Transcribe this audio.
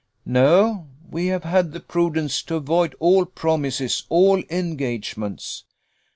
"No. We have had the prudence to avoid all promises, all engagements."